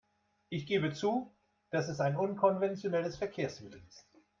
Ich gebe zu, dass es ein unkonventionelles Verkehrsmittel ist.